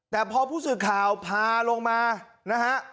แต่พอผู้สื่อข่าวพาลงมานะฮะ